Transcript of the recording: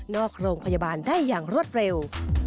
โรงพยาบาลได้อย่างรวดเร็ว